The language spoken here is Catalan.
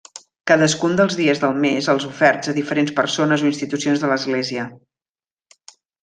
Cadascun dels dies del mes els oferts a diferents persones o institucions de l'església.